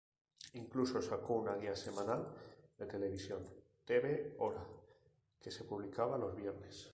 Incluso sacó una guía semanal de televisión, "Teve Hora" que se publicaba los viernes.